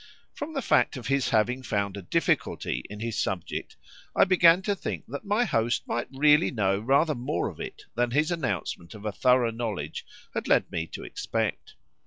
From the fact of his having found a difficulty in his subject, I began to think that my host might really know rather more of it than his announcement of a thorough knowledge had led me to expect.